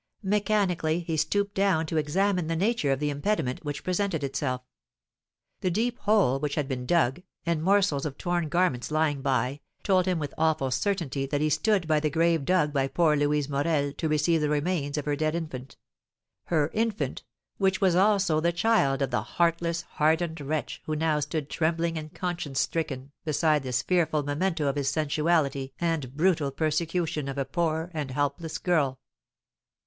Mechanically he stooped down to examine the nature of the impediment which presented itself; the deep hole which had been dug, and morsels of torn garments lying by, told him with awful certainty that he stood by the grave dug by poor Louise Morel to receive the remains of her dead infant, her infant, which was also the child of the heartless, hardened wretch who now stood trembling and conscience stricken beside this fearful memento of his sensuality and brutal persecution of a poor and helpless girl.